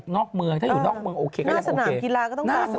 นอกเมืองถ้าอยู่นอกเมืองโอเคก็ยังโอเคหน้าสนามกีฬาก็ต้องกลางเมือง